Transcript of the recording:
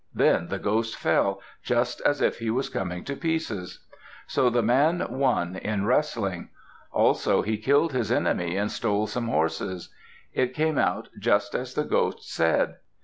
Then the ghost fell, just as if he was coming to pieces. So the man won in wrestling. Also he killed his enemy and stole some horses. It came out just as the ghost said.